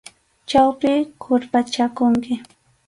Chaypi qurpachakunki.